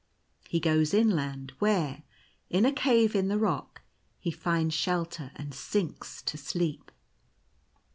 He goes inland, where, in a cave in the rock, he finds shelter, and sinks to sleep.